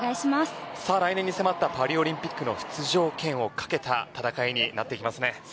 来年に迫ったパリオリンピックの出場権をかけた戦いになってきますね。